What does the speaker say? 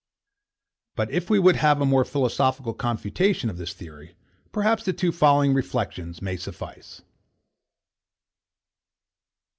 But if we would have a more philosophical confutation of this theory, perhaps the two following reflections may suffice.